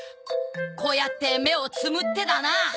こうやって目をつぶってだな。